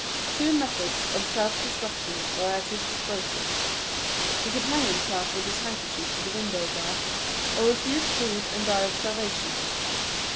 Two methods of self destruction were at his disposal. He could hang himself with his handkerchief to the window bars, or refuse food and die of starvation.